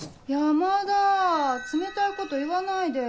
山田冷たいこと言わないで。